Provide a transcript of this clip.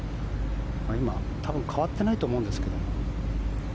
今、多分変わっていないと思うんですが。